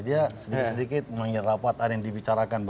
dia sedikit sedikit menyerap ada yang dibicarakan